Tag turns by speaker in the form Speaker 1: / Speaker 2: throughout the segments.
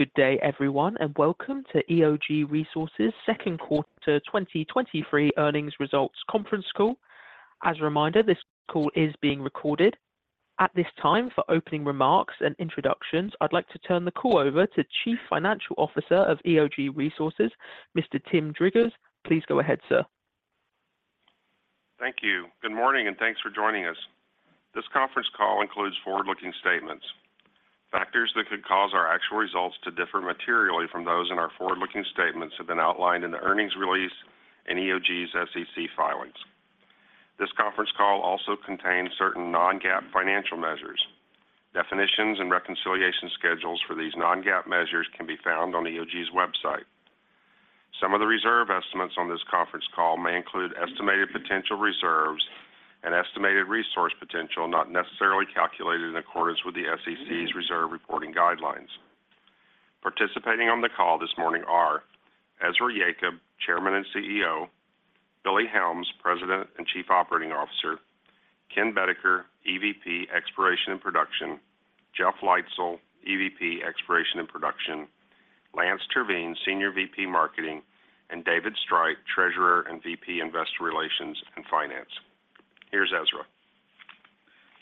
Speaker 1: Good day, everyone, and welcome to EOG Resources' Q2 2023 earnings results conference call. As a reminder, this call is being recorded. At this time, for opening remarks and introductions, I'd like to turn the call over to Chief Financial Officer of EOG Resources, Mr. Tim Driggers. Please go ahead, sir.
Speaker 2: Thank you. Good morning, and thanks for joining us. This conference call includes forward-looking statements. Factors that could cause our actual results to differ materially from those in our forward-looking statements have been outlined in the earnings release and EOG's SEC filings. This conference call also contains certain non-GAAP financial measures. Definitions and reconciliation schedules for these non-GAAP measures can be found on EOG's website. Some of the reserve estimates on this conference call may include estimated potential reserves and estimated resource potential, not necessarily calculated in accordance with the SEC's reserve reporting guidelines. Participating on the call this morning are Ezra Yacob, Chairman and CEO; Billy Helms, President and Chief Operating Officer; Ken Boedeker, EVP, Exploration and Production; Jeff Leitzell, EVP, Exploration and Production; Lance Terveen, Senior VP, Marketing; and David Streit, Treasurer and VP, Investor Relations and Finance. Here's Ezra.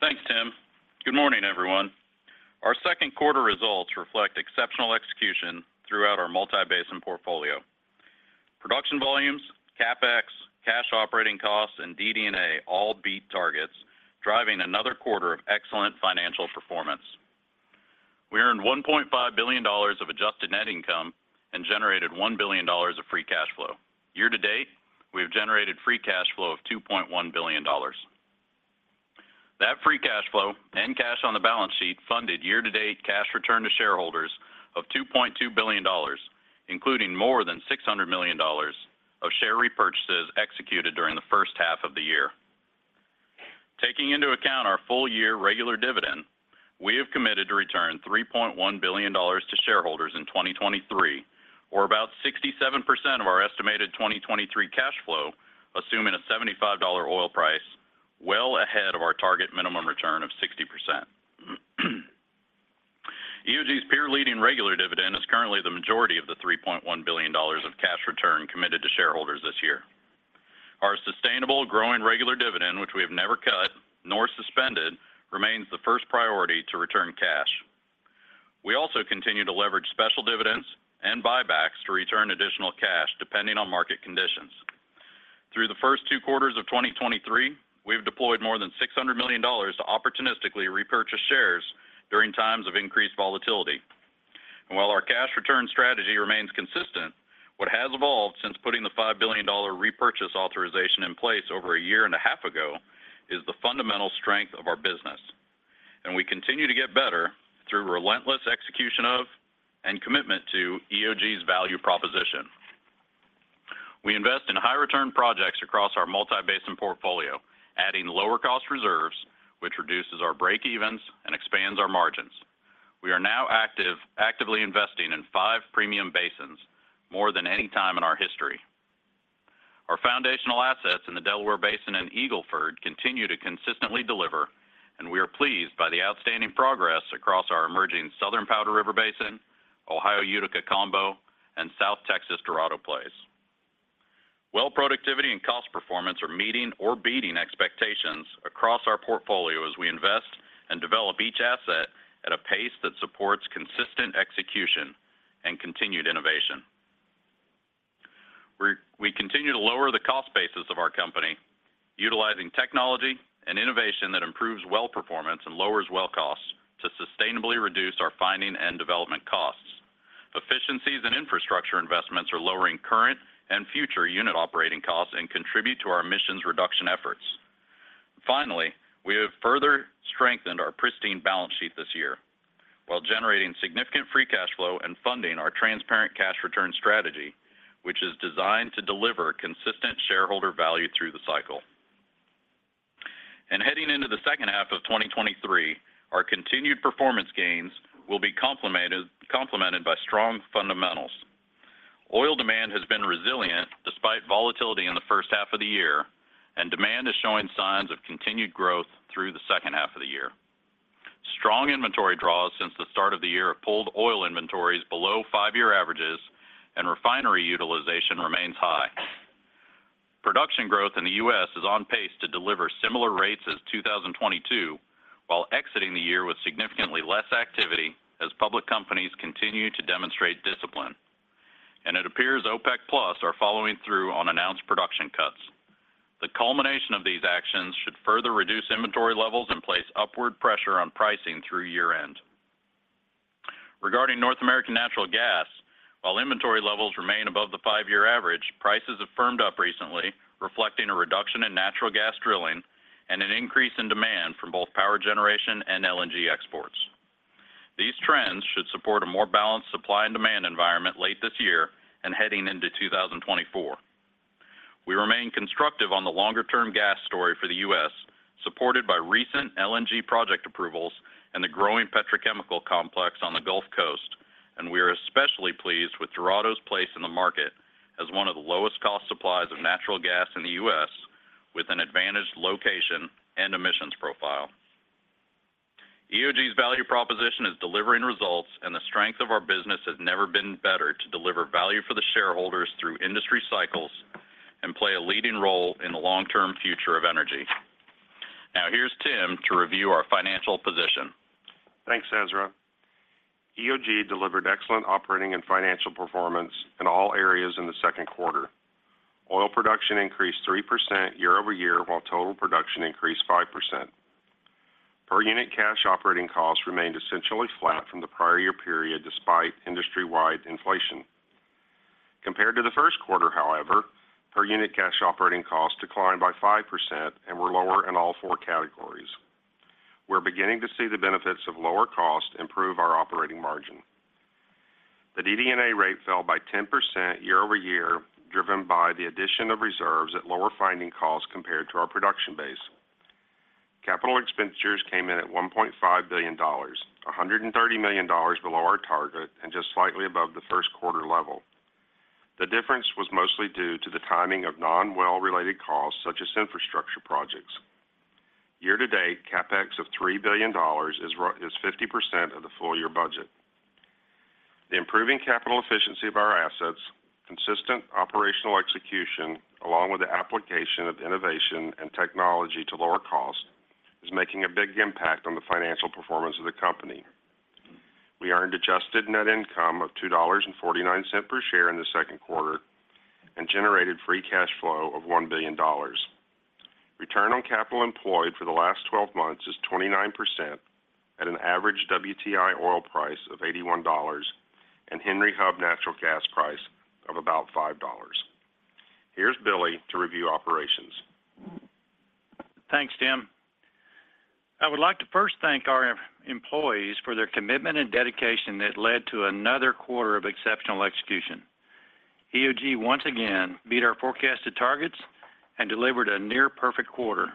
Speaker 3: Thanks, Tim. Good morning, everyone. Our Q2 results reflect exceptional execution throughout our multi-basin portfolio. Production volumes, CapEx, cash operating costs, and DD&A all beat targets, driving another quarter of excellent financial performance. We earned $1.5 billion of adjusted net income and generated $1 billion of free cash flow. Year-to-date, we have generated free cash flow of $2.1 billion. That free cash flow and cash on the balance sheet funded year-to-date cash return to shareholders of $2.2 billion, including more than $600 million of share repurchases executed during the first half of the year. Taking into account our full-year regular dividend, we have committed to return $3.1 billion to shareholders in 2023, or about 67% of our estimated 2023 cash flow, assuming a $75 oil price, well ahead of our target minimum return of 60%. EOG's peer-leading regular dividend is currently the majority of the $3.1 billion of cash return committed to shareholders this year. Our sustainable growing regular dividend, which we have never cut nor suspended, remains the first priority to return cash. We also continue to leverage special dividends and buybacks to return additional cash depending on market conditions. Through the first two quarters of 2023, we've deployed more than $600 million to opportunistically repurchase shares during times of increased volatility. While our cash return strategy remains consistent, what has evolved since putting the $5 billion repurchase authorization in place over a year and a half ago, is the fundamental strength of our business. We continue to get better through relentless execution of and commitment to EOG's value proposition. We invest in high return projects across our multi-basin portfolio, adding lower cost reserves, which reduces our break-evens and expands our margins. We are now actively investing in five premium basins, more than any time in our history. Our foundational assets in the Delaware Basin and Eagle Ford continue to consistently deliver, and we are pleased by the outstanding progress across our emerging Southern Powder River Basin, Ohio Utica Combo, and South Texas Dorado Plays. Well, productivity and cost performance are meeting or beating expectations across our portfolio as we invest and develop each asset at a pace that supports consistent execution and continued innovation. We continue to lower the cost basis of our company, utilizing technology and innovation that improves well performance and lowers well costs to sustainably reduce our finding and development costs. Efficiencies and infrastructure investments are lowering current and future unit operating costs and contribute to our emissions reduction efforts. Finally, we have further strengthened our pristine balance sheet this year while generating significant free cash flow and funding our transparent cash return strategy, which is designed to deliver consistent shareholder value through the cycle. Heading into the second half of 2023, our continued performance gains will be complemented by strong fundamentals. Oil demand has been resilient despite volatility in the first half of the year. Demand is showing signs of continued growth through the second half of the year. Strong inventory draws since the start of the year have pulled oil inventories below five-year averages. Refinery utilization remains high. Production growth in the U.S. is on pace to deliver similar rates as 2022, while exiting the year with significantly less activity as public companies continue to demonstrate discipline. It appears OPEC Plus are following through on announced production cuts. The culmination of these actions should further reduce inventory levels and place upward pressure on pricing through year-end. Regarding North American natural gas, while inventory levels remain above the five-year average, prices have firmed up recently, reflecting a reduction in natural gas drilling and an increase in demand from both power generation and LNG exports. These trends should support a more balanced supply and demand environment late this year and heading into 2024. We remain constructive on the longer-term gas story for the U.S., supported by recent LNG project approvals and the growing petrochemical complex on the Gulf Coast, and we are especially pleased with Dorado's place in the market as one of the lowest cost suppliers of natural gas in the U.S., with an advantaged location, EOG's value proposition is delivering results, and the strength of our business has never been better to deliver value for the shareholders through industry cycles and play a leading role in the long-term future of energy. Now, here's Tim to review our financial position.
Speaker 2: Thanks, Ezra. EOG delivered excellent operating and financial performance in all areas in Q2. Oil production increased 3% year-over-year, while total production increased 5%. Per-unit cash operating costs remained essentially flat from the prior year period, despite industry-wide inflation. Compared to Q1, however, per-unit cash operating costs declined by 5% and were lower in all four categories. We're beginning to see the benefits of lower cost improve our operating margin. The DD&A rate fell by 10% year-over-year, driven by the addition of reserves at lower finding costs compared to our production base. Capital expenditures came in at $1.5 billion, $130 million below our target and just slightly above the Q1 level. The difference was mostly due to the timing of non-well-related costs, such as infrastructure projects. Year-to-date, CapEx of $3 billion is 50% of the full year budget. The improving capital efficiency of our assets, consistent operational execution, along with the application of innovation and technology to lower costs, is making a big impact on the financial performance of the company. We earned adjusted net income of $2.49 per share in Q2 and generated free cash flow of $1 billion. Return on capital employed for the last 12 months is 29% at an average WTI oil price of $81 and Henry Hub natural gas price of about $5. Here's Billy to review operations.
Speaker 4: Thanks, Tim. I would like to first thank our employees for their commitment and dedication that led to another quarter of exceptional execution. EOG once again beat our forecasted targets and delivered a near perfect quarter.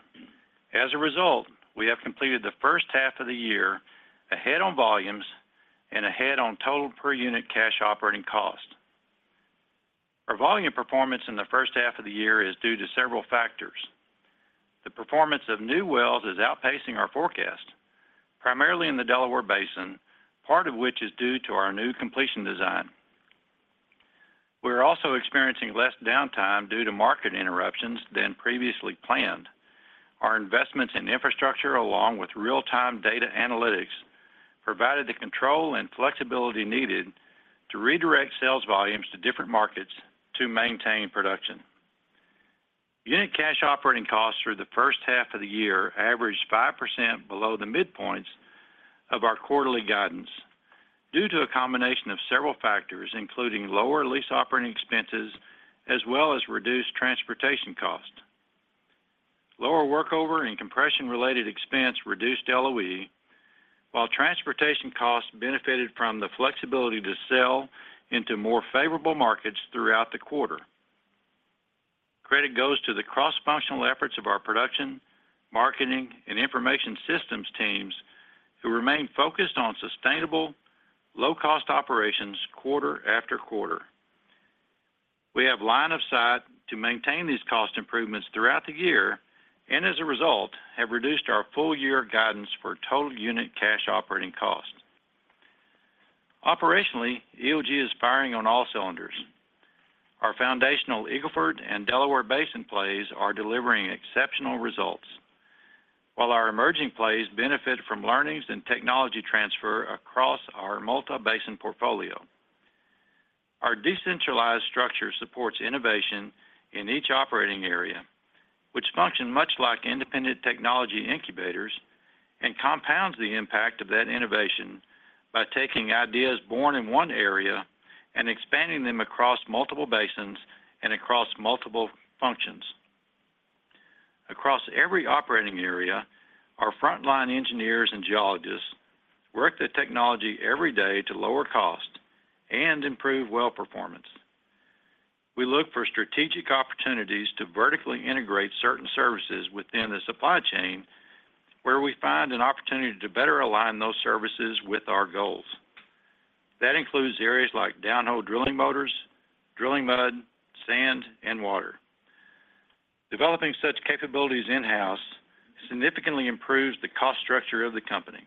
Speaker 4: As a result, we have completed the first half of the year ahead on volumes and ahead on total per unit cash operating cost. Our volume performance in the first half of the year is due to several factors. The performance of new wells is outpacing our forecast, primarily in the Delaware Basin, part of which is due to our new completion design. We're also experiencing less downtime due to market interruptions than previously planned. Our investments in infrastructure, along with real-time data analytics, provided the control and flexibility needed to redirect sales volumes to different markets to maintain production. Unit cash operating costs for the first half of the year averaged 5% below the midpoints of our quarterly guidance due to a combination of several factors, including lower lease operating expenses, as well as reduced transportation cost. Lower workover and compression-related expense reduced LOE, while transportation costs benefited from the flexibility to sell into more favorable markets throughout the quarter. Credit goes to the cross-functional efforts of our production, marketing, and information systems teams, who remain focused on sustainable, low-cost operations quarter-after-quarter. We have line of sight to maintain these cost improvements throughout the year and as a result, have reduced our full year guidance for total unit cash operating costs. Operationally, EOG is firing on all cylinders. Our foundational Eagle Ford and Delaware Basin plays are delivering exceptional results, while our emerging plays benefit from learnings and technology transfer across our multi-basin portfolio. Our decentralized structure supports innovation in each operating area, which function much like independent technology incubators, and compounds the impact of that innovation by taking ideas born in one area and expanding them across multiple basins and across multiple functions. Across every operating area, our frontline engineers and geologists work the technology every day to lower cost and improve well performance. We look for strategic opportunities to vertically integrate certain services within the supply chain, where we find an opportunity to better align those services with our goals. That includes areas like downhole drilling motors, drilling mud, sand, and water. Developing such capabilities in-house significantly improves the cost structure of the company.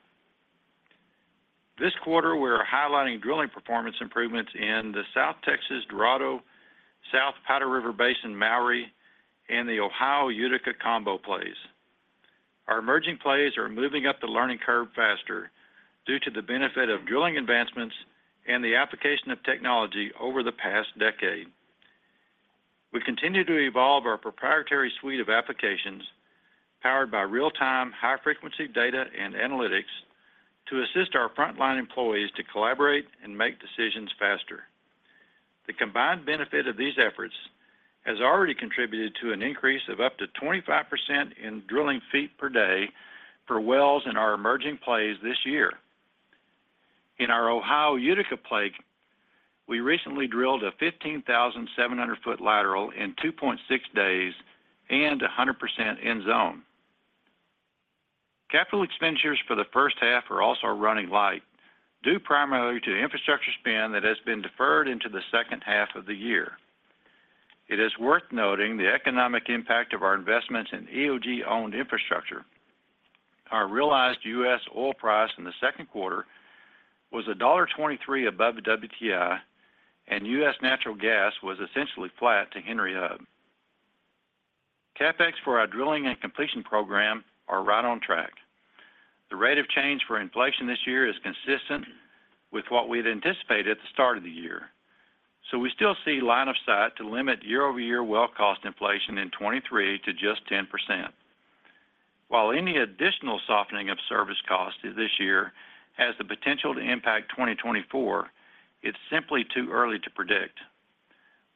Speaker 4: This quarter, we're highlighting drilling performance improvements in the South Texas Dorado, South Powder River Basin Mowry, and the Ohio Utica Combo plays. Our emerging plays are moving up the learning curve faster due to the benefit of drilling advancements and the application of technology over the past decade. We continue to evolve our proprietary suite of applications powered by real-time, high-frequency data and analytics, to assist our frontline employees to collaborate and make decisions faster. The combined benefit of these efforts has already contributed to an increase of up to 25% in drilling feet per day for wells in our emerging plays this year. In our Ohio Utica play, we recently drilled a 15,700 foot lateral in 2.6 days and 100% in zone. Capital expenditures for the first half are also running light, due primarily to the infrastructure spend that has been deferred into the second half of the year. It is worth noting the economic impact of our investments in EOG-owned infrastructure. Our realized U.S. oil price in Q2 was $1.23 above the WTI, and U.S. natural gas was essentially flat to Henry Hub. CapEx for our drilling and completion program are right on track. The rate of change for inflation this year is consistent with what we had anticipated at the start of the year. We still see line of sight to limit year-over-year well cost inflation in 2023 to just 10%. While any additional softening of service costs this year has the potential to impact 2024, it's simply too early to predict.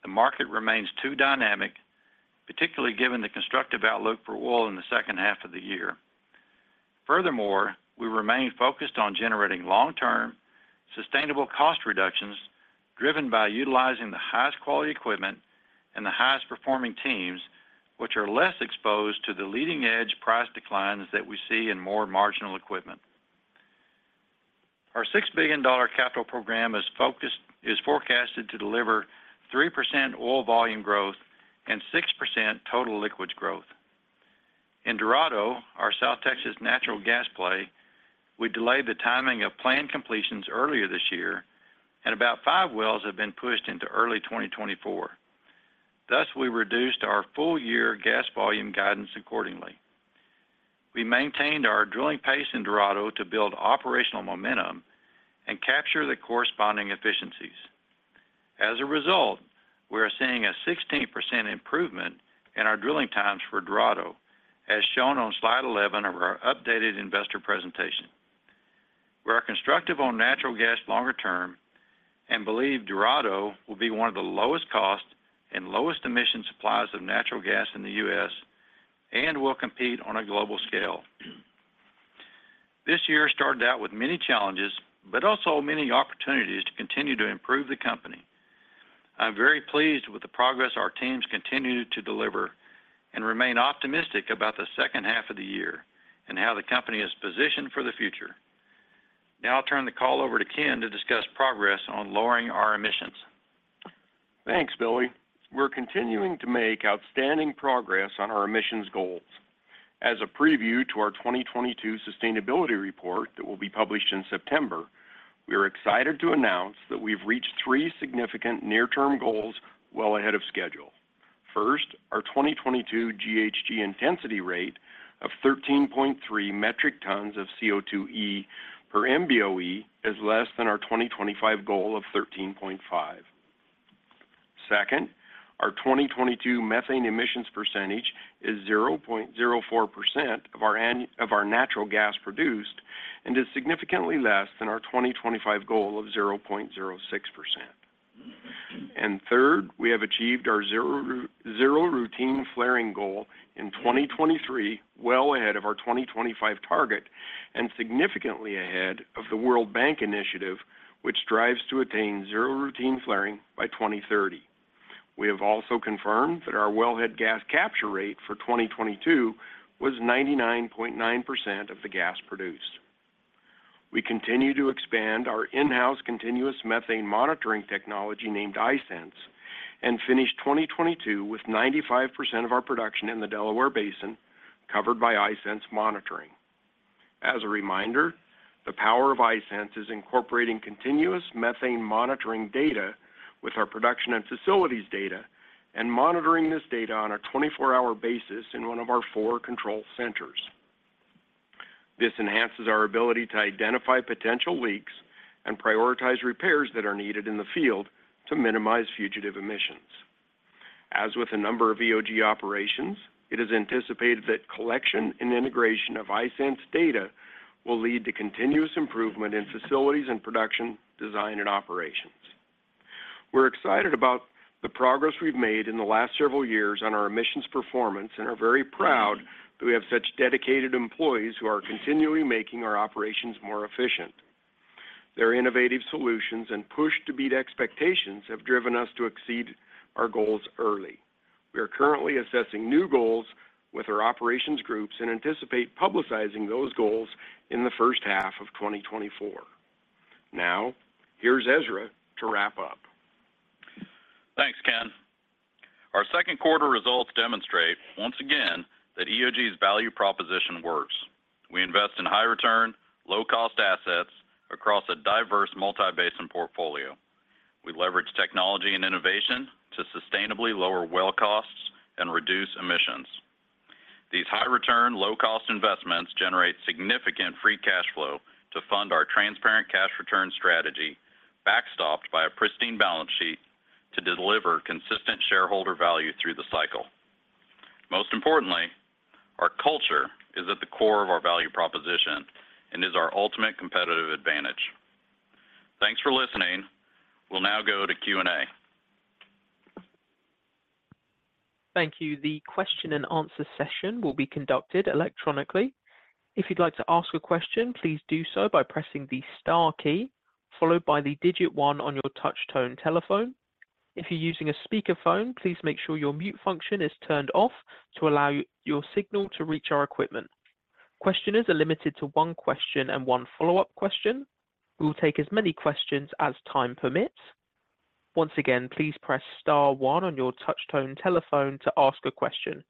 Speaker 4: The market remains too dynamic, particularly given the constructive outlook for oil in the second half of the year. Furthermore, we remain focused on generating long-term, sustainable cost reductions, driven by utilizing the highest quality equipment and the highest performing teams, which are less exposed to the leading-edge price declines that we see in more marginal equipment. Our $6 billion capital program is forecasted to deliver 3% oil volume growth and 6% total liquids growth. In Dorado, our South Texas natural gas play, we delayed the timing of planned completions earlier this year, and about 5 wells have been pushed into early 2024. Thus, we reduced our full year gas volume guidance accordingly. We maintained our drilling pace in Dorado to build operational momentum and capture the corresponding efficiencies. As a result, we are seeing a 16% improvement in our drilling times for Dorado, as shown on slide 11 of our updated investor presentation. We are constructive on natural gas longer term and believe Dorado will be one of the lowest cost and lowest emission suppliers of natural gas in the US and will compete on a global scale. This year started out with many challenges, but also many opportunities to continue to improve the company. I'm very pleased with the progress our teams continue to deliver and remain optimistic about the second half of the year and how the company is positioned for the future. Now I'll turn the call over to Ken to discuss progress on lowering our emissions.
Speaker 5: Thanks, Billy. We're continuing to make outstanding progress on our emissions goals. As a preview to our 2022 sustainability report that will be published in September, we are excited to announce that we've reached three significant near-term goals well ahead of schedule. First, our 2022 GHG intensity rate of 13.3 metric tons of CO2e per Mboe is less than our 2025 goal of 13.5. Second, our 2022 methane emissions percentage is 0.04% of our natural gas produced and is significantly less than our 2025 goal of 0.06%. Third, we have achieved our zero, zero routine flaring goal in 2023, well ahead of our 2025 target and significantly ahead of the World Bank Initiative, which strives to attain zero routine flaring by 2030. We have also confirmed that our wellhead gas capture rate for 2022 was 99.9% of the gas produced. We continue to expand our in-house continuous methane monitoring technology, named iSense, and finished 2022 with 95% of our production in the Delaware Basin, covered by iSense monitoring. As a reminder, the power of iSense is incorporating continuous methane monitoring data with our production and facilities data and monitoring this data on a 24-hour basis in one of our four control centers. This enhances our ability to identify potential leaks and prioritize repairs that are needed in the field to minimize fugitive emissions. As with a number of EOG operations, it is anticipated that collection and integration of iSense data will lead to continuous improvement in facilities and production, design and operations. We're excited about the progress we've made in the last several years on our emissions performance and are very proud that we have such dedicated employees who are continually making our operations more efficient. Their innovative solutions and push to beat expectations have driven us to exceed our goals early. We are currently assessing new goals with our operations groups and anticipate publicizing those goals in the first half of 2024. Now, here's Ezra to wrap up.
Speaker 3: Thanks, Ken. Our Q2 results demonstrate, once again, that EOG's value proposition works. We invest in high return, low cost assets across a diverse multi-basin portfolio. We leverage technology and innovation to sustainably lower well costs and reduce emissions. These high return, low cost investments generate significant free cash flow to fund our transparent cash return strategy, backstopped by a pristine balance sheet to deliver consistent shareholder value through the cycle. Most importantly, our culture is at the core of our value proposition and is our ultimate competitive advantage. Thanks for listening. We'll now go to Q&A.
Speaker 1: Thank you. The question and answer session will be conducted electronically. If you'd like to ask a question, please do so by pressing the Star key, followed by the digit one on your touch tone telephone. If you're using a speakerphone, please make sure your mute function is turned off to allow your signal to reach our equipment... Questioners are limited to one question and one follow-up question. We will take as many questions as time permits. Once again, please press star one on your touch tone telephone to ask a question.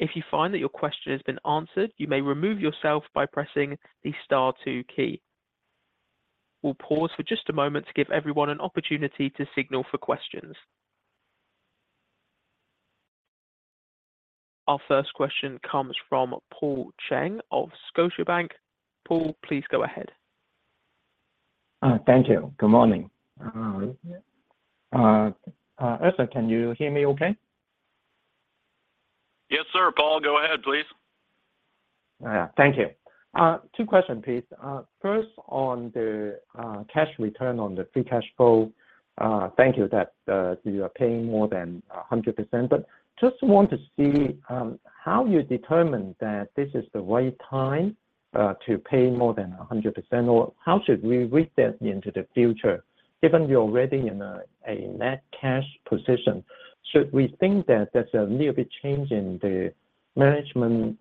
Speaker 1: If you find that your question has been answered, you may remove yourself by pressing the star two key. We'll pause for just a moment to give everyone an opportunity to signal for questions. Our first question comes from Paul Cheng of Scotiabank. Paul, please go ahead.
Speaker 6: Thank you. Good morning. Ezra, can you hear me okay?
Speaker 3: Yes, sir, Paul, go ahead, please.
Speaker 6: Thank you. Two question, please. First, on the cash return on the free cash flow. Thank you that you are paying more than 100%, but just want to see how you determine that this is the right time to pay more than 100%, or how should we read that into the future? Given you're already in a net cash position, should we think that there's a little bit change in the management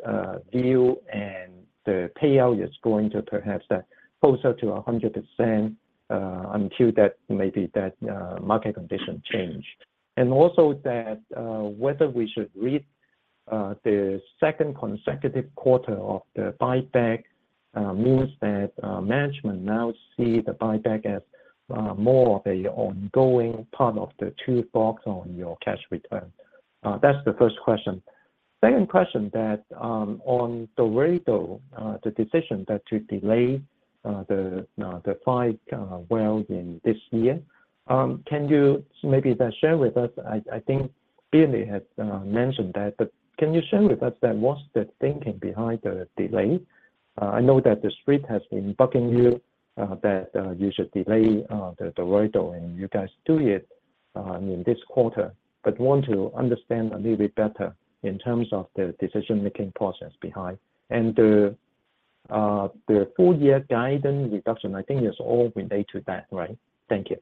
Speaker 6: view and the payout is going to perhaps that closer to 100% until that maybe that market condition change? Also that whether we should read the second consecutive quarter of the buyback means that management now see the buyback as more of a ongoing part of the toolbox on your cash return. That's the first question. Second question, that, on the Dorado, the decision that to delay, the five well in this year, can you maybe then share with us. I think Billy had mentioned that, but can you share with us then what's the thinking behind the delay? I know that the street has been bugging you, that, you should delay, the Dorado, and you guys do it, in this quarter, but want to understand a little bit better in terms of the decision-making process behind. The, the full year guidance reduction, I think, is all related to that, right? Thank you.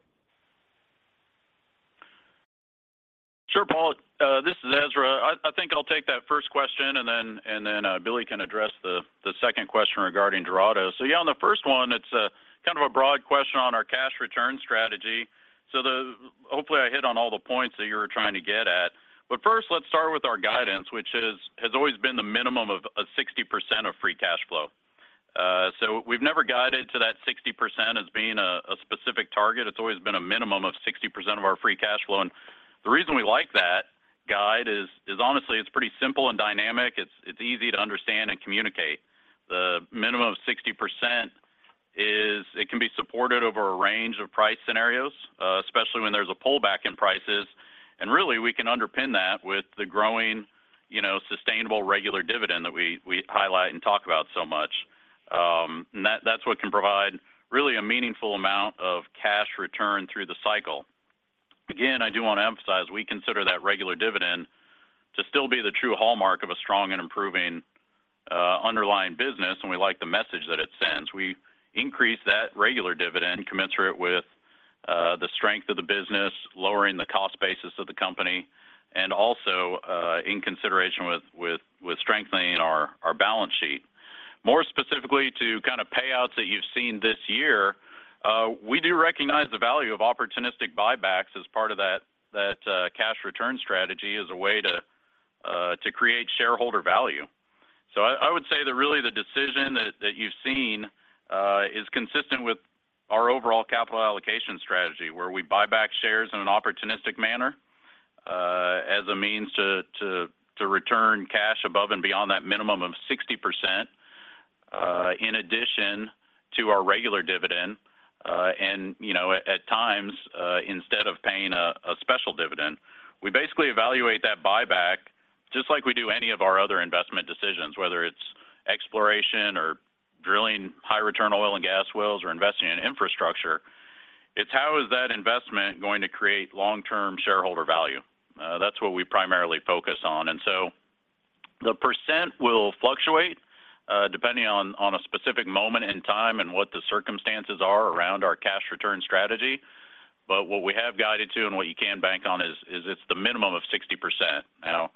Speaker 3: Sure, Paul. This is Ezra. I, I think I'll take that first question, and then, and then, Billy can address the, the second question regarding Dorado. Yeah, on the first one, it's a kind of a broad question on our cash return strategy. Hopefully, I hit on all the points that you were trying to get at. First, let's start with our guidance, which is, has always been the minimum of, of 60% of free cash flow. We've never guided to that 60% as being a, a specific target. It's always been a minimum of 60% of our free cash flow, and the reason we like that guide is, is honestly, it's pretty simple and dynamic. It's, it's easy to understand and communicate. The minimum of 60% is it can be supported over a range of price scenarios, especially when there's a pullback in prices. Really, we can underpin that with the growing, you know, sustainable regular dividend that we, we highlight and talk about so much. That, that's what can provide really a meaningful amount of cash return through the cycle. Again, I do want to emphasize, we consider that regular dividend to still be the true hallmark of a strong and improving, underlying business, and we like the message that it sends. We increase that regular dividend commensurate with the strength of the business, lowering the cost basis of the company, and also, in consideration with strengthening our balance sheet. More specifically, to kind of payouts that you've seen this year, we do recognize the value of opportunistic buybacks as part of that, that, cash return strategy as a way to, to create shareholder value. I would say that really the decision that, that you've seen, is consistent with our overall capital allocation strategy, where we buy back shares in an opportunistic manner, as a means to return cash above and beyond that minimum of 60%, in addition to our regular dividend. At times, instead of paying a, a special dividend, we basically evaluate that buyback just like we do any of our other investment decisions, whether it's exploration or drilling high-return oil and gas wells or investing in infrastructure. It's how is that investment going to create long-term shareholder value? That's what we primarily focus on. The percent will fluctuate depending on a specific moment in time and what the circumstances are around our cash return strategy. What we have guided to and what you can bank on is, it's the minimum of 60%.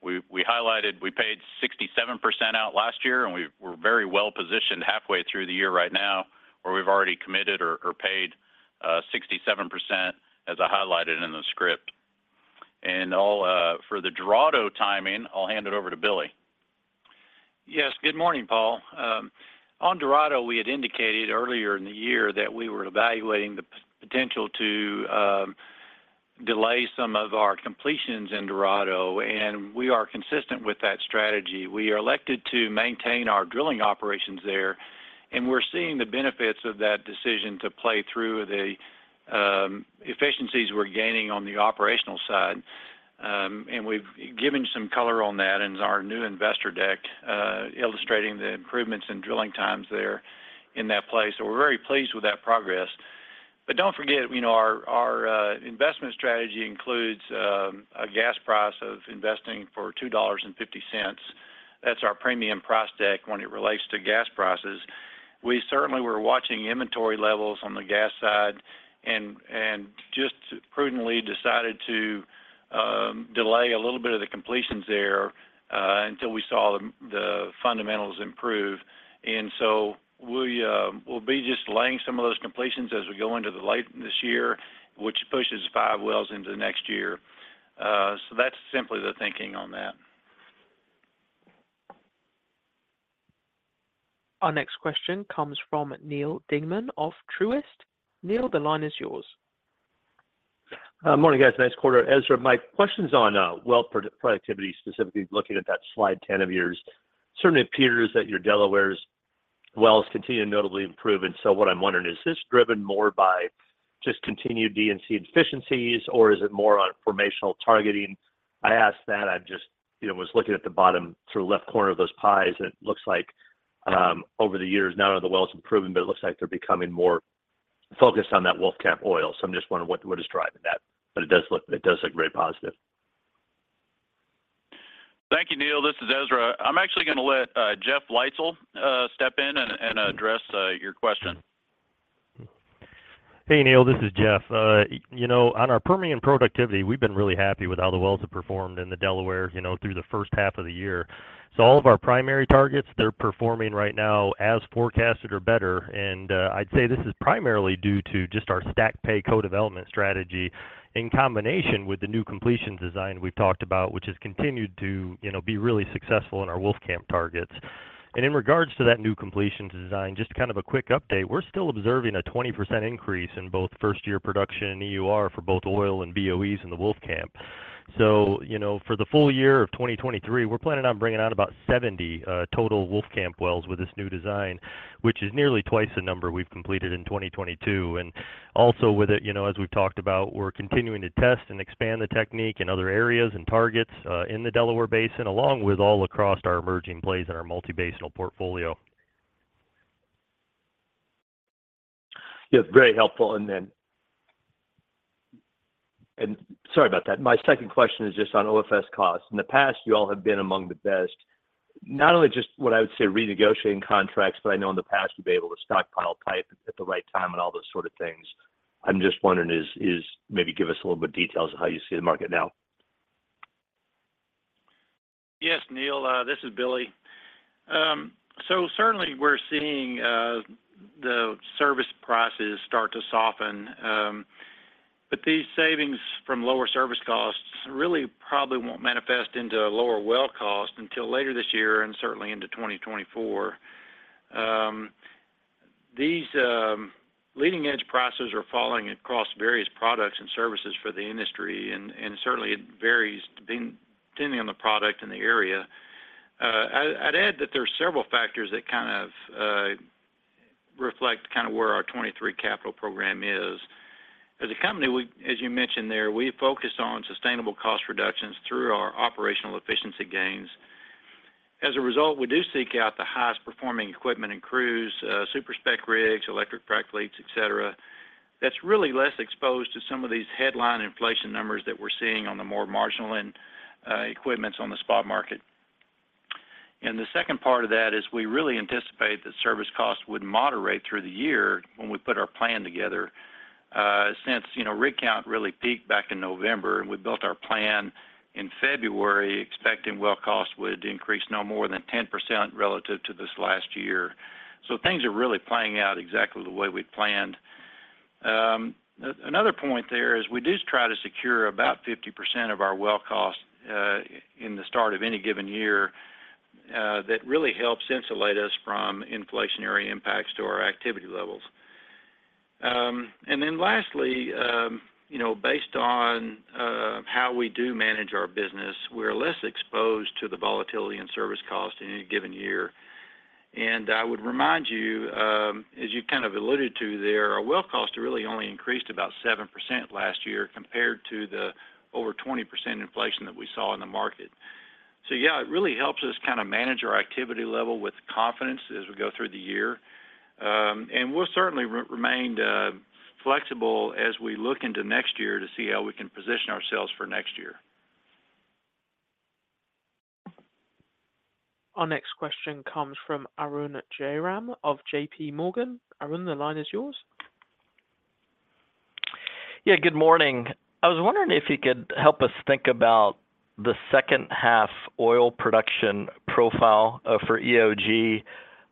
Speaker 3: We highlighted we paid 67% out last year, and we're very well positioned halfway through the year right now, where we've already committed or paid 67%, as I highlighted in the script. For the Dorado timing, I'll hand it over to Billy.
Speaker 4: Yes, good morning, Paul. On Dorado, we had indicated earlier in the year that we were evaluating the potential to delay some of our completions in Dorado. We are consistent with that strategy. We are elected to maintain our drilling operations there. We're seeing the benefits of that decision to play through the efficiencies we're gaining on the operational side. We've given some color on that in our new investor deck, illustrating the improvements in drilling times there in that place. We're very pleased with that progress. Don't forget, our investment strategy includes a gas price of investing for $2.50. That's our premium price deck when it relates to gas prices. We certainly were watching inventory levels on the gas side and, and just prudently decided to delay a little bit of the completions there, until we saw the, the fundamentals improve. We, we'll be just laying some of those completions as we go into the late this year, which pushes five wells into next year. That's simply the thinking on that.
Speaker 1: Our next question comes from Neal Dingmann of Truist. Neil, the line is yours.
Speaker 7: Morning, guys. Nice quarter. Ezra, my question's on well pro-productivity, specifically looking at that slide 10 of yours. Certainly appears that your Delaware's wells continue to notably improve. What I'm wondering, is this driven more by just continued DNC efficiencies, or is it more on formational targeting? I ask that, I just, you know, was looking at the bottom through left corner of those pies, and it looks like, over the years, not only the well's improving, but it looks like they're becoming more focused on that Wolfcamp oil. I'm just wondering what, what is driving that? It does look, it does look very positive.
Speaker 3: Thank you, Neil. This is Ezra. I'm actually gonna let, Jeff Leitzell, step in and address, your question.
Speaker 8: Hey, Neal, this is Jeff. On our Permian productivity, we've been really happy with how the wells have performed in the Delaware, through the first half of the year. All of our primary targets, they're performing right now as forecasted or better, and I'd say this is primarily due to just our stack pay co-development strategy in combination with the new completion design we've talked about, which has continued to, you know, be really successful in our Wolfcamp targets. In regards to that new completion design, just kind of a quick update, we're still observing a 20% increase in both first-year production and EUR for both oil and BOEs in the Wolfcamp. For the full year of 2023, we're planning on bringing out about 70 total Wolfcamp wells with this new design, which is nearly twice the number we've completed in 2022. Also with it, you know, as we've talked about, we're continuing to test and expand the technique in other areas and targets in the Delaware Basin, along with all across our emerging plays in our multi-basinal portfolio.
Speaker 7: Yeah, very helpful. Then. Sorry about that. My second question is just on OFS cost. In the past, you all have been among the best, not only just what I would say, renegotiating contracts, but I know in the past, you've been able to stockpile pipe at the right time and all those sort of things. I'm just wondering, is maybe give us a little bit details of how you see the market now.
Speaker 4: Yes, Neal, this is Billy. Certainly we're seeing the service prices start to soften, these savings from lower service costs really probably won't manifest into lower well costs until later this year and certainly into 2024. These leading-edge prices are falling across various products and services for the industry, and certainly it varies depending on the product and the area. I'd add that there are several factors that kind of reflect kind of where our 23 capital program is. As a company, we, as you mentioned there, we focus on sustainable cost reductions through our operational efficiency gains. As a result, we do seek out the highest performing equipment and crews, super-spec rigs, electric frac fleets, et cetera, that's really less exposed to some of these headline inflation numbers that we're seeing on the more marginal end, equipments on the spot market. The second part of that is we really anticipate that service costs would moderate through the year when we put our plan together. Since, rig count really peaked back in November, and we built our plan in February, expecting well costs would increase no more than 10% relative to this last year. Things are really playing out exactly the way we planned. Another point there is we do try to secure about 50% of our well costs in the start of any given year, that really helps insulate us from inflationary impacts to our activity levels. And then lastly, you know, based on how we do manage our business, we're less exposed to the volatility and service cost in any given year. I would remind you, as you kind of alluded to there, our well costs really only increased about 7% last year compared to the over 20% inflation that we saw in the market. Yeah, it really helps us kinda manage our activity level with confidence as we go through the year. We'll certainly remain flexible as we look into next year to see how we can position ourselves for next year.
Speaker 1: Our next question comes from Arun Jayaram of JPMorgan. Arun, the line is yours.
Speaker 9: Yeah, good morning. I was wondering if you could help us think about the second half oil production profile for EOG.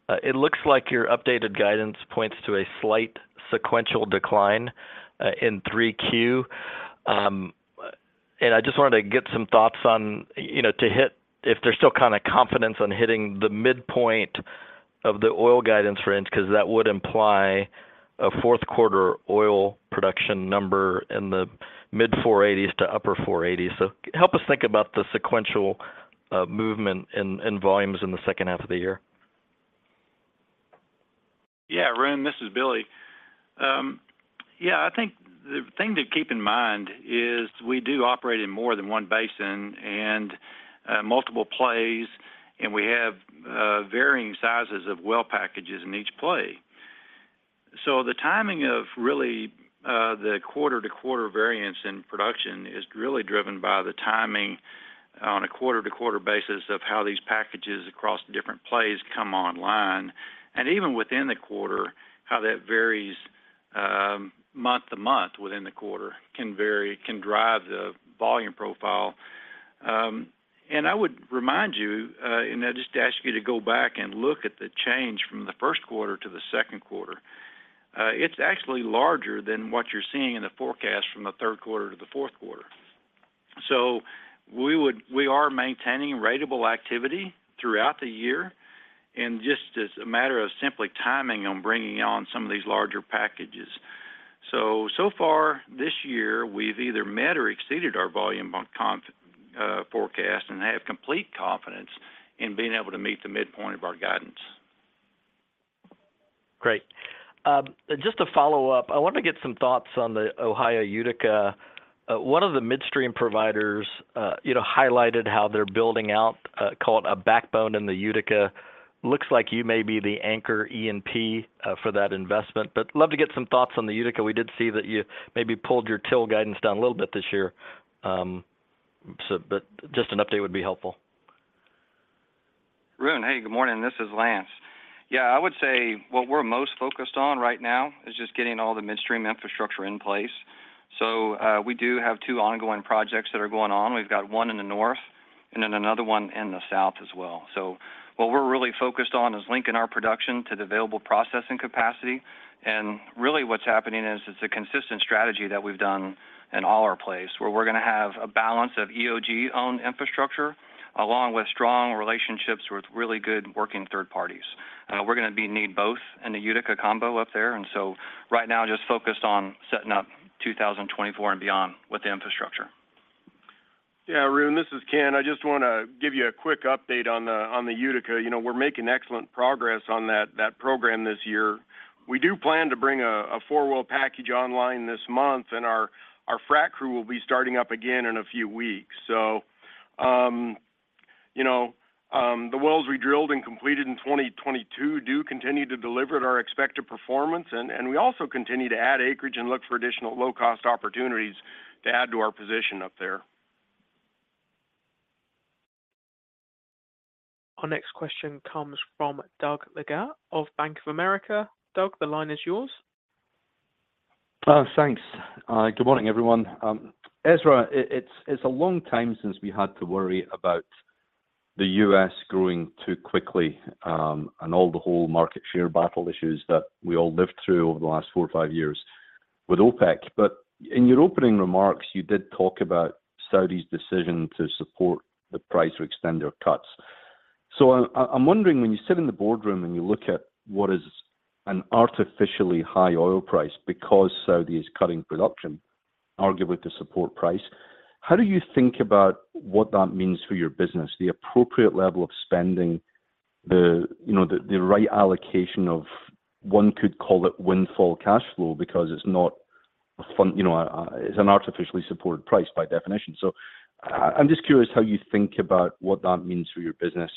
Speaker 9: It looks like your updated guidance points to a slight sequential decline in 3Q. I just wanted to get some thoughts on, you know, if there's still kind of confidence on hitting the midpoint of the oil guidance range, 'cause that would imply a fourth quarter oil production number in the mid 480s to upper 480s. Help us think about the sequential movement in volumes in the second half of the year.
Speaker 4: Yeah, Arun, this is Billy. Yeah, I think the thing to keep in mind is we do operate in more than one basin and multiple plays, and we have varying sizes of well packages in each play. The timing of really, the quarter-to-quarter variance in production is really driven by the timing on a quarter-to-quarter basis of how these packages across different plays come online. Even within the quarter, how that varies, month-to-month within the quarter can vary, can drive the volume profile. I would remind you, and I just ask you to go back and look at the change from the Q1 to Q2. It's actually larger than what you're seeing in the forecast from the Q3 to the fourth quarter. We are maintaining ratable activity throughout the year, and just as a matter of simply timing on bringing on some of these larger packages. So far this year, we've either met or exceeded our volume on forecast, and have complete confidence in being able to meet the midpoint of our guidance.
Speaker 9: Great. Just to follow up, I wanted to get some thoughts on the Ohio Utica. One of the midstream providers, highlighted how they're building out, call it a backbone in the Utica. Looks like you may be the anchor E&P, for that investment. Love to get some thoughts on the Utica. We did see that you maybe pulled your till guidance down a little bit this year. Just an update would be helpful.
Speaker 10: Arun, hey, good morning, this is Lance. Yeah, I would say what we're most focused on right now is just getting all the midstream infrastructure in place. We do have 2 ongoing projects that are going on. We've got one in the north and then another one in the south as well. What we're really focused on is linking our production to the available processing capacity. Really what's happening is it's a consistent strategy that we've done in all our plays, where we're gonna have a balance of EOG-owned infrastructure, along with strong relationships with really good working third parties. We're gonna be need both in the Utica combo up there, right now, just focused on setting up 2024 and beyond with the infrastructure.
Speaker 5: Yeah, Arun, this is Ken. I just wanna give you a quick update on the, on the Utica. We're making excellent progress on that, that program this year. We do plan to bring a four-well package online this month, and our frac crew will be starting up again in a few weeks. You know, the wells we drilled and completed in 2022 do continue to deliver at our expected performance, and we also continue to add acreage and look for additional low-cost opportunities to add to our position up there.
Speaker 1: Our next question comes from Doug Leggate of Bank of America. Doug, the line is yours.
Speaker 11: Thanks. Good morning, everyone. Ezra, it's a long time since we had to worry about the US growing too quickly, and all the whole market share battle issues that we all lived through over the last four or five years with OPEC. In your opening remarks, you did talk about Saudi's decision to support the price to extend their cuts. I'm wondering, when you sit in the boardroom and you look at what is an artificially high oil price, because Saudi is cutting production, arguably to support price, how do you think about what that means for your business? The appropriate level of spending, the, you know, the, the right allocation of, one could call it windfall cash flow because it's not a, you know, it's an artificially supported price by definition. I'm just curious how you think about what that means for your business.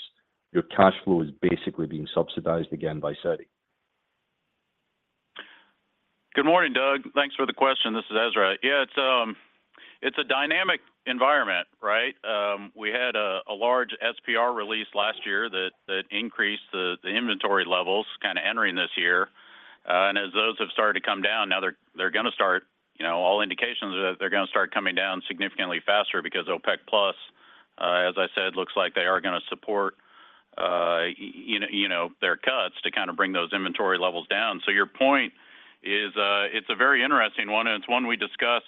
Speaker 11: Your cash flow is basically being subsidized again by Saudi.
Speaker 3: Good morning, Doug. Thanks for the question. This is Ezra. Yeah, it's a dynamic environment, right? We had a large SPR release last year that increased the inventory levels kind of entering this year. As those have started to come down, now they're gonna start. All indications are that they're gonna start coming down significantly faster because OPEC Plus, as I said, looks like they are gonna support, you know, their cuts to kind of bring those inventory levels down. Your point is, it's a very interesting one, and it's one we discuss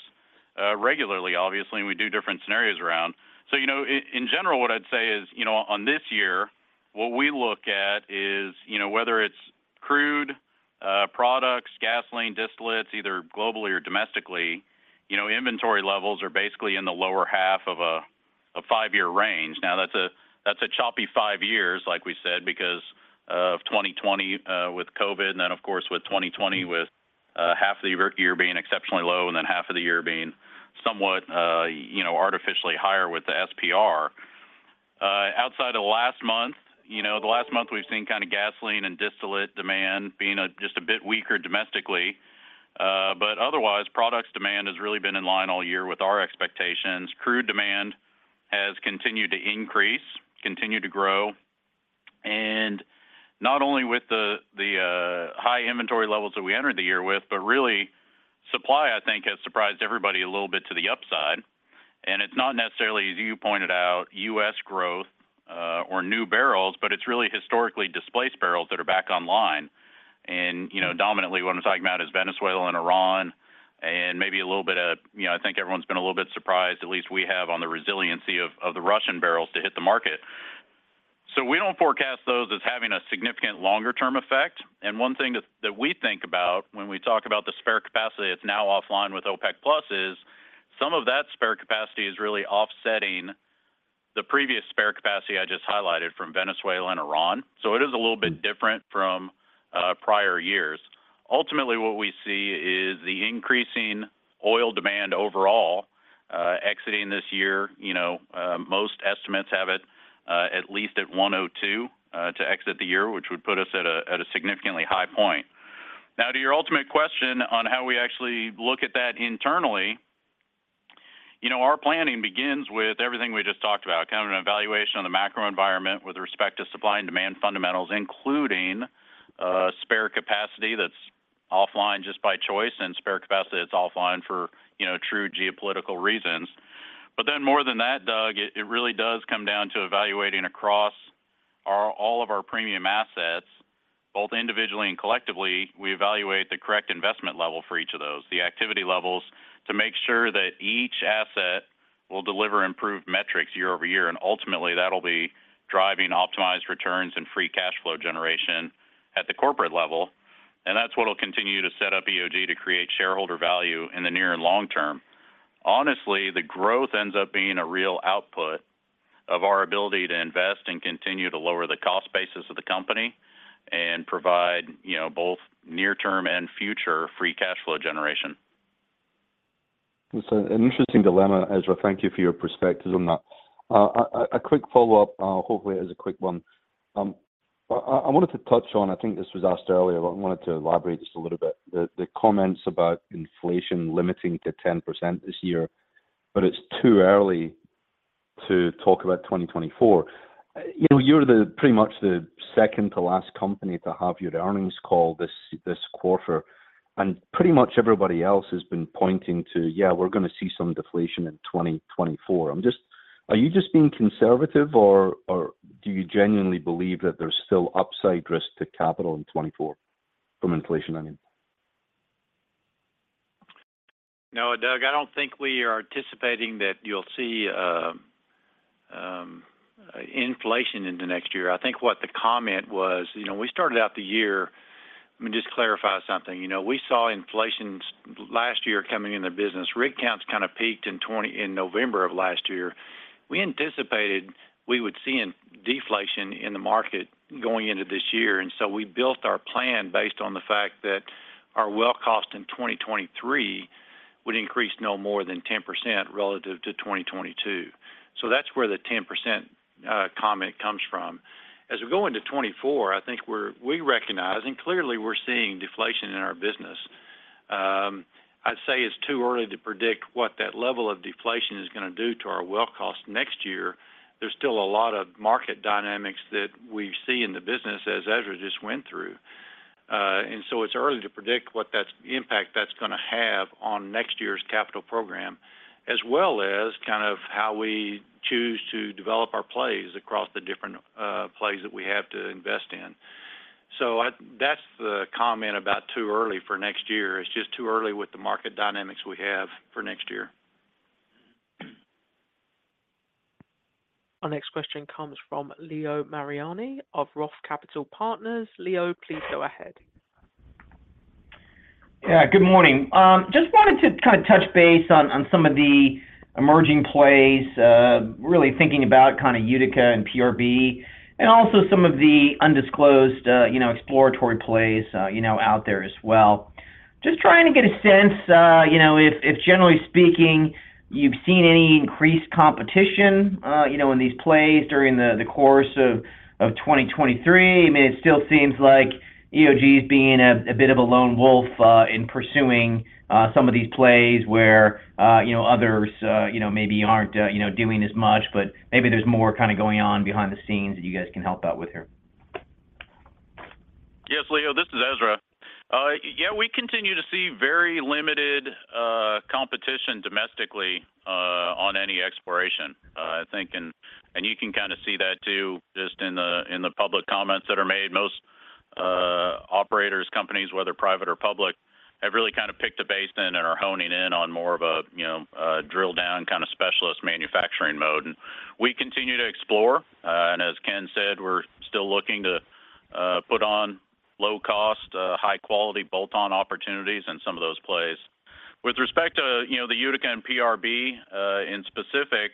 Speaker 3: regularly, obviously, and we do different scenarios around. In general, what I'd say is, you know, on this year, what we look at is, you know, whether it's crude, products, gasoline, distillates, either globally or domestically, you know, inventory levels are basically in the lower half of a five-year range. That's a choppy five years, like we said, because of 2020, with COVID, and then, of course, with 2020 with half of the year being exceptionally low and then half of the year being somewhat, you know, artificially higher with the SPR. Outside of last month, you know, the last month we've seen kind of gasoline and distillate demand being just a bit weaker domestically, but otherwise, products demand has really been in line all year with our expectations. Crude demand has continued to increase, continued to grow. Not only with the, the high inventory levels that we entered the year with, but really, supply, I think, has surprised everybody a little bit to the upside. It's not necessarily, as you pointed out, U.S. growth, or new barrels, but it's really historically displaced barrels that are back online. You know, dominantly, what I'm talking about is Venezuela and Iran, and maybe a little bit of, you know, I think everyone's been a little bit surprised, at least we have, on the resiliency of, of the Russian barrels to hit the market. We don't forecast those as having a significant longer-term effect. One thing that, that we think about when we talk about the spare capacity that's now offline with OPEC Plus is, some of that spare capacity is really offsetting the previous spare capacity I just highlighted from Venezuela and Iran. It is a little bit different from prior years. Ultimately, what we see is the increasing oil demand overall. Exiting this year, you know, most estimates have it, at least at 102 to exit the year, which would put us at a significantly high point. Now, to your ultimate question on how we actually look at that internally, you know, our planning begins with everything we just talked about, kind of an evaluation of the macro environment with respect to supply and demand fundamentals, including spare capacity that's offline just by choice, and spare capacity that's offline for, you know, true geopolitical reasons. Then more than that, Doug, it, it really does come down to evaluating across all of our premium assets, both individually and collectively, we evaluate the correct investment level for each of those, the activity levels, to make sure that each asset will deliver improved metrics year-over-year. Ultimately, that'll be driving optimized returns and free cash flow generation at the corporate level, and that's what will continue to set up EOG to create shareholder value in the near and long term. Honestly, the growth ends up being a real output of our ability to invest and continue to lower the cost basis of the company and provide, you know, both near-term and future free cash flow generation.
Speaker 11: It's an interesting dilemma, Ezra. Thank you for your perspectives on that. A quick follow-up, hopefully, it's a quick one. I wanted to touch on I think this was asked earlier, but I wanted to elaborate just a little bit. The, the comments about inflation limiting to 10% this year, but it's too early to talk about 2024. You know, you're the pretty much the second to last company to have your earnings call this, this quarter, and pretty much everybody else has been pointing to, yeah, we're going to see some deflation in 2024. Are you just being conservative, or do you genuinely believe that there's still upside risk to capital in 2024 from inflation, I mean?
Speaker 4: No, Doug, I don't think we are anticipating that you'll see inflation into next year. I think what the comment was, you know, we started out the year. Let me just clarify something. You know, we saw inflation last year coming in the business. Rig counts kind of peaked in November of last year. We anticipated we would see a deflation in the market going into this year, so we built our plan based on the fact that our well cost in 2023 would increase no more than 10% relative to 2022. That's where the 10% comment comes from. As we go into 2024, I think we recognize and clearly we're seeing deflation in our business. I'd say it's too early to predict what that level of deflation is gonna do to our well cost next year. There's still a lot of market dynamics that we see in the business as Ezra just went through, so it's early to predict what the impact that's gonna have on next year's capital program, as well as kind of how we choose to develop our plays across the different plays that we have to invest in. That's the comment about too early for next year. It's just too early with the market dynamics we have for next year.
Speaker 1: Our next question comes from Leo Mariani of Roth Capital Partners. Leo, please go ahead.
Speaker 12: Yeah, good morning. Just wanted to kind of touch base on, on some of the emerging plays, really thinking about kind of Utica and PRB, and also some of the undisclosed, you know, exploratory plays, you know, out there as well. Just trying to get a sense, you know, if, if generally speaking, you've seen any increased competition, you know, in these plays during the, the course of, of 2023. I mean, it still seems like EOG is being a bit of a lone wolf, in pursuing, some of these plays where, you know, others, you know, maybe aren't, you know, doing as much, but maybe there's more kind of going on behind the scenes that you guys can help out with here.
Speaker 3: Yes, Leo, this is Ezra. Yeah, we continue to see very limited competition domestically on any exploration. I think, and, and you can kind of see that too, just in the, in the public comments that are made. Most operators, companies, whether private or public, have really kind of picked a basin and are honing in on more of a, you know, a drill down kind of specialist manufacturing mode. We continue to explore, and as Ken said, we're still looking to put on low cost, high quality bolt-on opportunities in some of those plays. With respect to, you know, the Utica and PRB, in specific,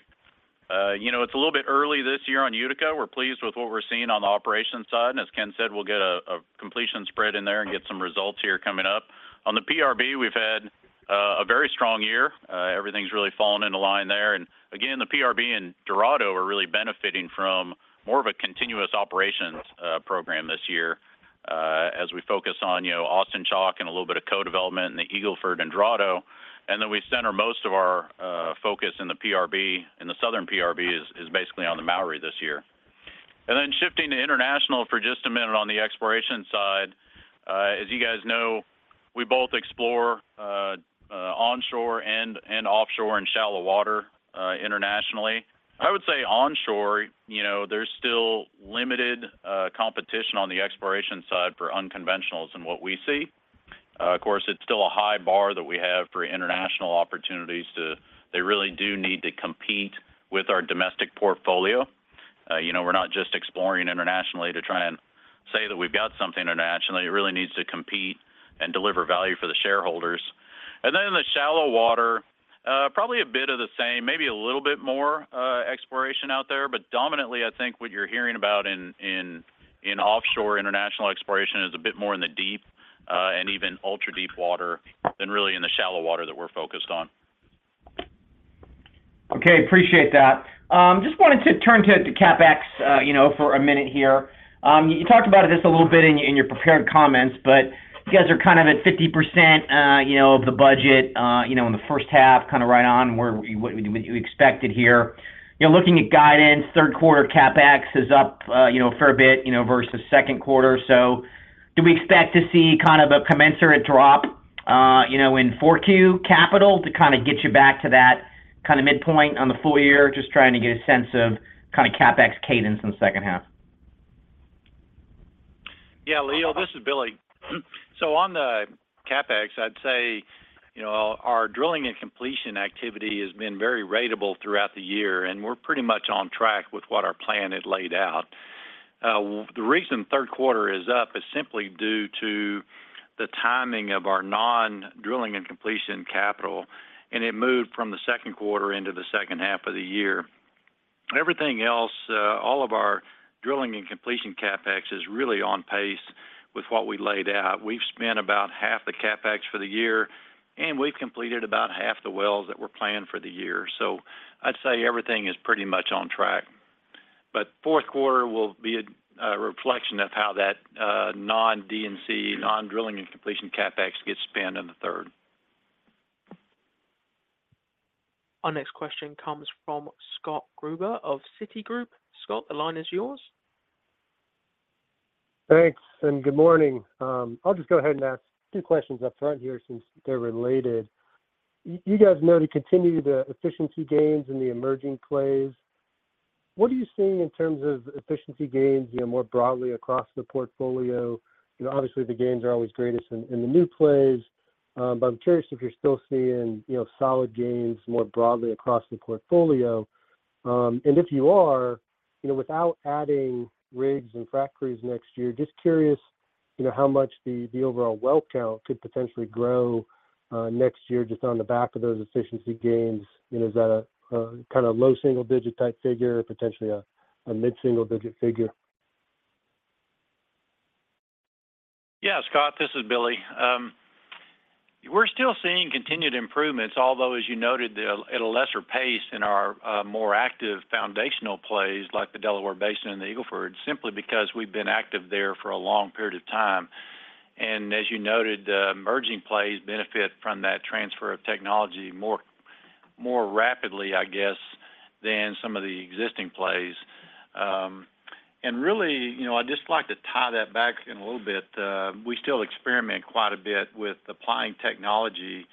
Speaker 3: you know, it's a little bit early this year on Utica. We're pleased with what we're seeing on the operations side. As Ken said, we'll get a completion spread in there and get some results here coming up. On the PRB, we've had a very strong year. Everything's really fallen into line there. Again, the PRB and Dorado are really benefiting from more of a continuous operations program this year, as we focus on, you know, Austin Chalk and a little bit of co-development in the Eagle Ford and Dorado. We center most of our focus in the PRB, in the Southern PRB, is basically on the Mowry this year. Shifting to international for just a minute on the exploration side. As you guys know, we both explore onshore and offshore in shallow water internationally. I would say onshore, you know, there's still limited competition on the exploration side for un-conventionals in what we see. Of course, it's still a high bar that we have for international opportunities to. They really do need to compete with our domestic portfolio. We're not just exploring internationally to try and say that we've got something internationally. It really needs to compete and deliver value for the shareholders. Then in the shallow water, probably a bit of the same, maybe a little bit more exploration out there. Dominantly, I think what you're hearing about in offshore international exploration is a bit more in the deep. Even ultra-deep water than really in the shallow water that we're focused on.
Speaker 12: Okay, appreciate that. Just wanted to turn to CapEx, you know, for a minute here. You talked about it just a little bit in your, in your prepared comments, but you guys are kind of at 50%, you know, of the budget, you know, in the 1H, kind of right on where, what you expected here. Looking at guidance, 3Q CapEx is up, you know, fair bit, you know, versus 2Q. Do we expect to see kind of a commensurate drop, you know, in 4Q capital to kind of get you back to that kind of midpoint on the full year? Just trying to get a sense of kind of CapEx cadence in the second half.
Speaker 4: Yeah, Leo, this is Billy. On the CapEx, I'd say, you know, our drilling and completion activity has been very ratable throughout the year, and we're pretty much on track with what our plan had laid out. The reason Q3 is up is simply due to the timing of our non-drilling and completion capital, and it moved from Q2 into the second half of the year. Everything else, all of our drilling and completion CapEx is really on pace with what we laid out. We've spent about half the CapEx for the year, and we've completed about half the wells that were planned for the year. I'd say everything is pretty much on track. Q4 will be a, a reflection of how that, non-DNC, non-drilling and completion CapEx gets spent in the third.
Speaker 1: Our next question comes from Scott Gruber of Citigroup. Scott, the line is yours.
Speaker 13: Thanks, good morning. I'll just go ahead and ask two questions up front here, since they're related. You guys know to continue the efficiency gains in the emerging plays. What are you seeing in terms of efficiency gains, you know, more broadly across the portfolio? Obviously, the gains are always greatest in, in the new plays, but I'm curious if you're still seeing, you know, solid gains more broadly across the portfolio. If you are, you know, without adding rigs and frac crews next year, just curious, you know, how much the, the overall well count could potentially grow next year, just on the back of those efficiency gains? Is that a kind of low single-digit type figure, potentially a mid single-digit figure?
Speaker 4: Yeah, Scott, this is Billy. We're still seeing continued improvements, although, as you noted, the at a lesser pace in our more active foundational plays, like the Delaware Basin and the Eagle Ford, simply because we've been active there for a long period of time. As you noted, the emerging plays benefit from that transfer of technology more rapidly, I guess, than some of the existing plays. Really, I'd just like to tie that back in a little bit. We still experiment quite a bit with applying technology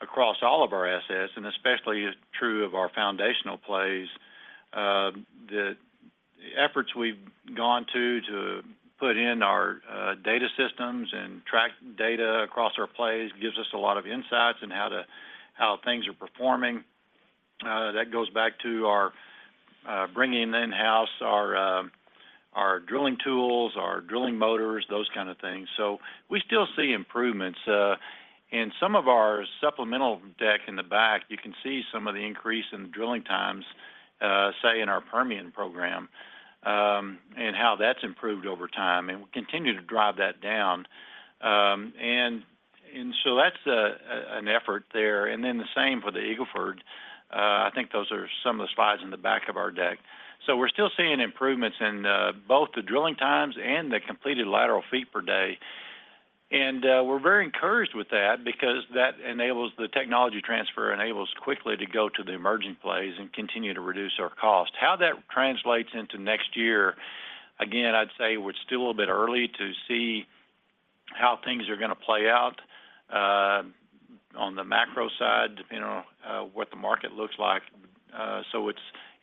Speaker 4: across all of our assets, and especially is true of our foundational plays. The efforts we've gone to put in our data systems and track data across our plays gives us a lot of insights in how to how things are performing. That goes back to our bringing in-house our our drilling tools, our drilling motors, those kind of things. We still see improvements. In some of our supplemental deck in the back, you can see some of the increase in drilling times, say, in our Permian program, and how that's improved over time, and we continue to drive that down. That's an effort there, and then the same for the Eagle Ford. I think those are some of the slides in the back of our deck. We're still seeing improvements in both the drilling times and the completed lateral feet per day. We're very encouraged with that because that enables the technology transfer, enables quickly to go to the emerging plays and continue to reduce our cost. How that translates into next year, again, I'd say we're still a bit early to see how things are going to play out, on the macro side, you know, what the market looks like.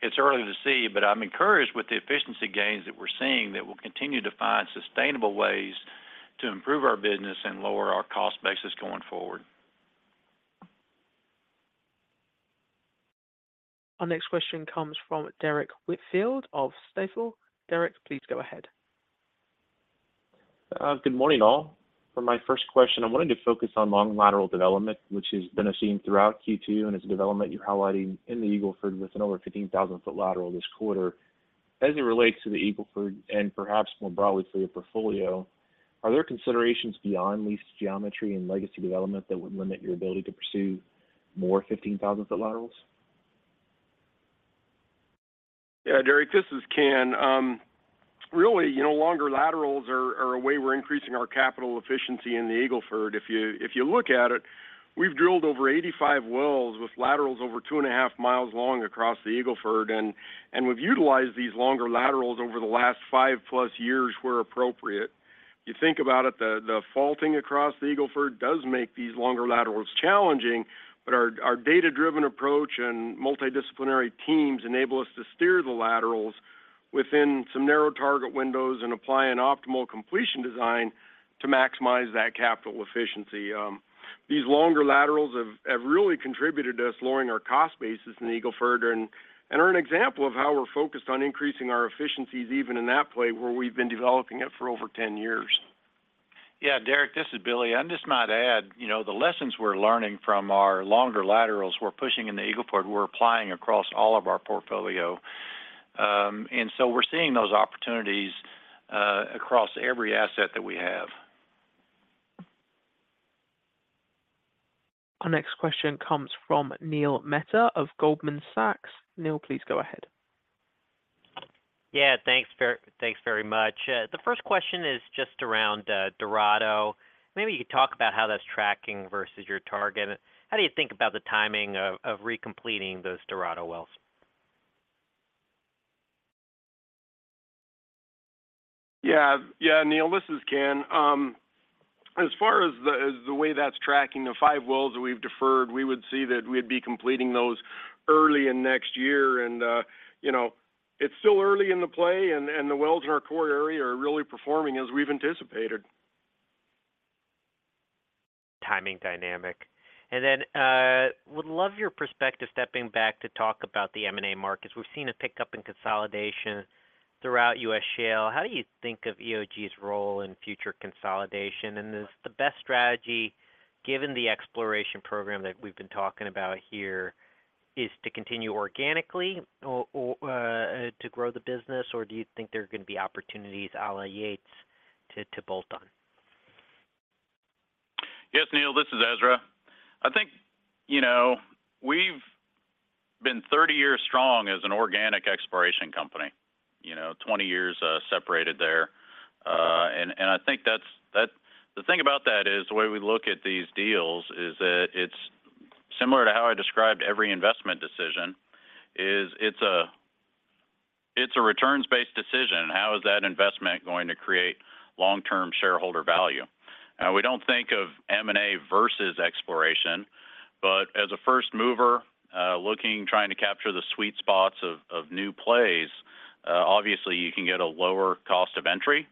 Speaker 4: It's early to see, but I'm encouraged with the efficiency gains that we're seeing that we'll continue to find sustainable ways to improve our business and lower our cost basis going forward.
Speaker 1: Our next question comes from Derek Whitfield of Stifel. Derek, please go ahead.
Speaker 14: Good morning, all. For my first question, I wanted to focus on long lateral development, which has been a theme throughout Q2 and is a development you're highlighting in the Eagle Ford with an over 15,000 foot lateral this quarter. As it relates to the Eagle Ford and perhaps more broadly for your portfolio, are there considerations beyond lease geometry and legacy development that would limit your ability to pursue more 15,000 foot laterals?
Speaker 5: Yeah, Derek, this is Ken. Really, you know, longer laterals are a way we're increasing our capital efficiency in the Eagle Ford. If you look at it, we've drilled over 85 wells with laterals over 2.5 miles long across the Eagle Ford, and we've utilized these longer laterals over the last 5+ years where appropriate. You think about it, the faulting across the Eagle Ford does make these longer laterals challenging, but our data-driven approach and multidisciplinary teams enable us to steer the laterals within some narrow target windows and apply an optimal completion design to maximize that capital efficiency. These longer laterals have, have really contributed to us lowering our cost basis in the Eagle Ford and, and are an example of how we're focused on increasing our efficiencies, even in that play, where we've been developing it for over 10 years.
Speaker 4: Yeah, Derek, this is Billy. I'd just might add, you know, the lessons we're learning from our longer laterals we're pushing in the Eagle Ford, we're applying across all of our portfolio. We're seeing those opportunities across every asset that we have.
Speaker 1: Our next question comes from Neil Mehta of Goldman Sachs. Neil, please go ahead.
Speaker 15: Yeah, thanks very, thanks very much. The first question is just around Dorado. Maybe you could talk about how that's tracking versus your target. How do you think about the timing of, of recompleting those Dorado wells?
Speaker 5: Yeah, Neal, this is Ken. As far as the, as the way that's tracking, the 5 wells that we've deferred, we would see that we'd be completing those early in next year. You know, it's still early in the play, and, and the wells in our core area are really performing as we've anticipated.
Speaker 15: Timing dynamic. Then, would love your perspective, stepping back to talk about the M&A markets. We've seen a pickup in consolidation throughout U.S. shale. How do you think of EOG's role in future consolidation? Is the best strategy, given the exploration program that we've been talking about here, is to continue organically or to grow the business? Do you think there are gonna be opportunities a la Yates to, to bolt on?
Speaker 3: Yes, Neal, this is Ezra. I think, you know, we've been 30 years strong as an organic exploration company, you know, 20 years separated there. I think that's. The thing about that is, the way we look at these deals is that it's similar to how I described every investment decision, is it's a, it's a returns-based decision. How is that investment going to create long-term shareholder value? We don't think of M&A versus exploration, but as a first mover, looking, trying to capture the sweet spots of new plays, obviously, you can get a lower cost of entry,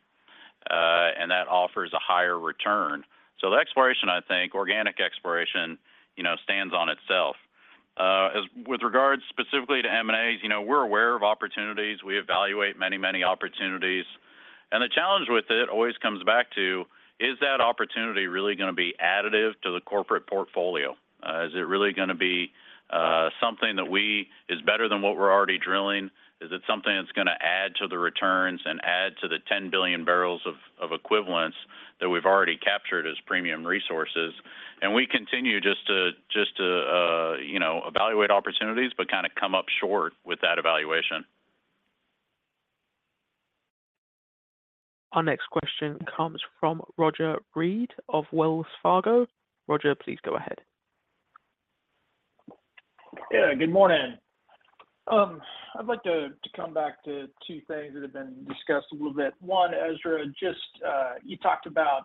Speaker 3: and that offers a higher return. The exploration, I think, organic exploration, you know, stands on itself. As with regards specifically to M&As, you know, we're aware of opportunities. We evaluate many, many opportunities. The challenge with it always comes back to: Is that opportunity really gonna be additive to the corporate portfolio? Is it really gonna be something that is better than what we're already drilling? Is it something that's gonna add to the returns and add to the 10 billion barrels of equivalents that we've already captured as premium resources? We continue just to, just to, you know, evaluate opportunities, but kind of come up short with that evaluation.
Speaker 1: Our next question comes from Roger Read of Wells Fargo. Roger, please go ahead.
Speaker 16: Yeah, good morning. I'd like to, to come back to two things that have been discussed a little bit. One, Ezra, just, you talked about,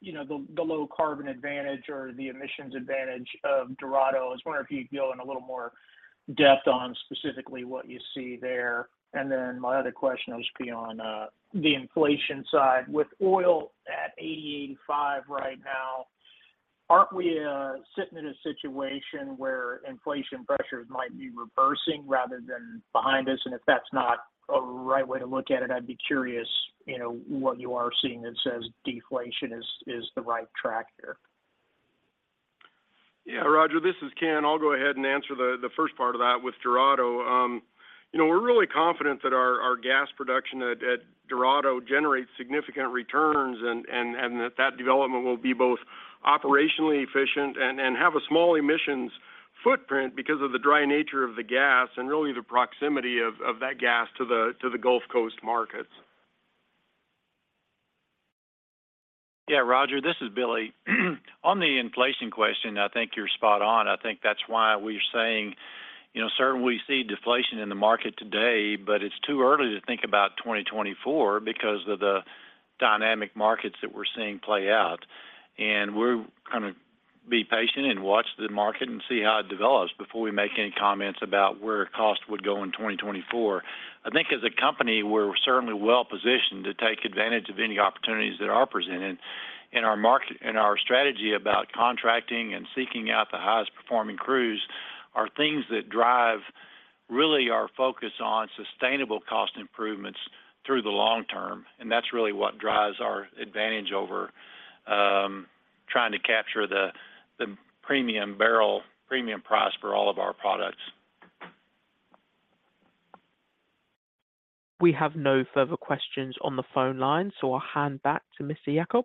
Speaker 16: you know, the, the low carbon advantage or the emissions advantage of Dorado. I was wondering if you could go in a little more depth on specifically what you see there. My other question would just be on, the inflation side. With oil at 80, 85 right now, aren't we, sitting in a situation where inflation pressures might be reversing rather than behind us? If that's not a right way to look at it, I'd be curious, you know, what you are seeing that says deflation is, is the right track here.
Speaker 5: Yeah, Roger, this is Ken. I'll go ahead and answer the, the first part of that with Dorado. You know, we're really confident that our, our gas production at Dorado generates significant returns and, and that that development will be both operationally efficient and have a small emissions footprint because of the dry nature of the gas and really the proximity of that gas to the Gulf Coast markets.
Speaker 4: Yeah, Roger, this is Billy. On the inflation question, I think you're spot on. I think that's why we're saying, you know, certainly we see deflation in the market today, but it's too early to think about 2024 because of the dynamic markets that we're seeing play out. We're gonna be patient and watch the market and see how it develops before we make any comments about where cost would go in 2024. I think as a company, we're certainly well positioned to take advantage of any opportunities that are presented. Our strategy about contracting and seeking out the highest performing crews are things that drive really our focus on sustainable cost improvements through the long term, and that's really what drives our advantage over trying to capture the, the premium barrel, premium price for all of our products.
Speaker 1: We have no further questions on the phone line. I'll hand back to Mr. Yacob.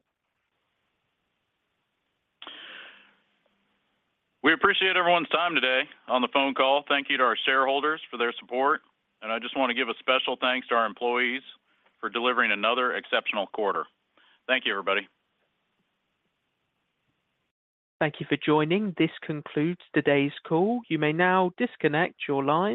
Speaker 3: We appreciate everyone's time today on the phone call. Thank you to our shareholders for their support. I just want to give a special thanks to our employees for delivering another exceptional quarter. Thank you, everybody.
Speaker 1: Thank you for joining. This concludes today's call. You may now disconnect your line.